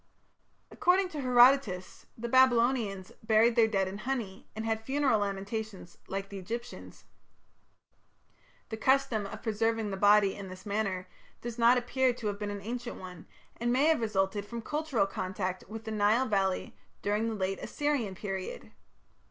According to Herodotus the Babylonians "buried their dead in honey, and had funeral lamentations like the Egyptians". The custom of preserving the body in this manner does not appear to have been an ancient one, and may have resulted from cultural contact with the Nile valley during the late Assyrian period.